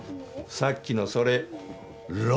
さっきのそれロン。